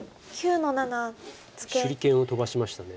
手裏剣を飛ばしました。